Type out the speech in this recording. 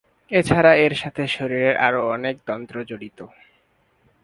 এছাড়া এর সাথে শরীরের আরো অনেক তন্ত্র জড়িত।